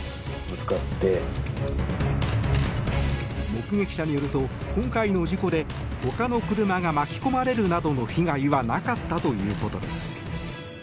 目撃者によると今回の事故でほかの車が巻き込まれるなどの被害はなかったということです。